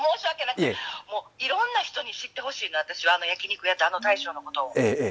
いろんな人に知ってほしいのあの焼き肉屋の大将のことを。